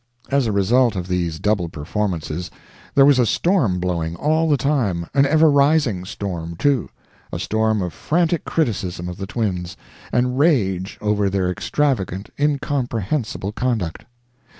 As a result of these double performances, there was a storm blowing all the time, an ever rising storm, too a storm of frantic criticism of the twins, and rage over their extravagant, incomprehensible conduct.